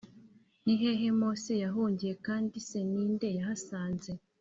Ni hehe Mose yahungiye kandi se ni nde yahasanze